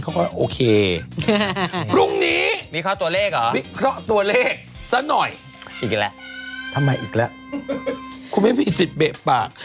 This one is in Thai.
บอร์กอลตี้ต้องทำปากคว่ำได้ใช่มั้ย